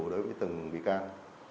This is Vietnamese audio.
đối với từng bị can